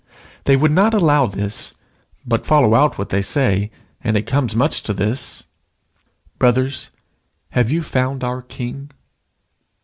They would not allow this, but follow out what they say, and it comes much to this. Brothers, have you found our king?